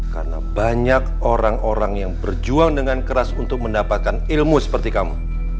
karena banyak orang orang yang berjuang dengan keras untuk mendapatkan ilmu seperti kamu